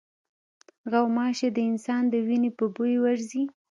غوماشې د انسان د وینې په بوی ورځي.